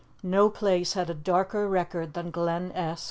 No place had a darker record than Glen Esk.